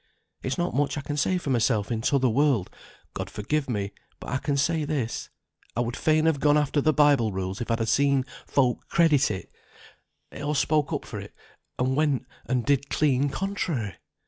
It's not much I can say for myself in t'other world, God forgive me; but I can say this, I would fain have gone after the Bible rules if I'd seen folk credit it; they all spoke up for it, and went and did clean contrary.